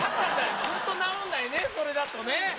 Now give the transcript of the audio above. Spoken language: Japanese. ずっと治んないねそれだとね。